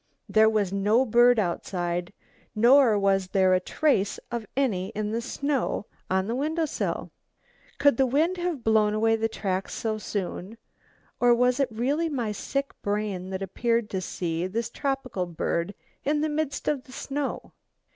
There was no bird outside nor was there a trace of any in the snow on the window sill. Could the wind have blown away the tracks so soon, or was it really my sick brain that appeared to see this tropical bird in the midst of the snow?